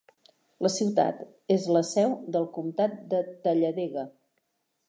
La ciutat és la seu del comtat de Talladega.